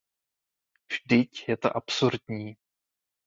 Vždyť je to absurdní.